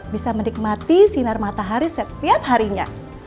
bisa menikmati sinar matahari setiap harinya